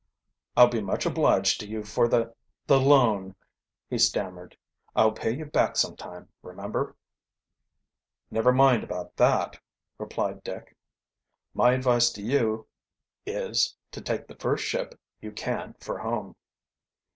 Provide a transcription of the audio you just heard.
"I'll be much obliged to you for the the loan," he stammered. "I'll pay you back some time, remember." "Never mind about that," replied Dick. "My advice to you is, to take the first ship you can for home."